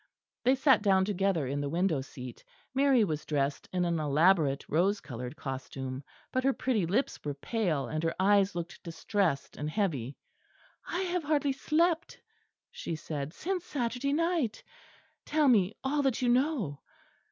They sat down together in the window seat. Mary was dressed in an elaborate rose coloured costume; but her pretty lips were pale, and her eyes looked distressed and heavy. "I have hardly slept," she said, "since Saturday night. Tell me all that you know."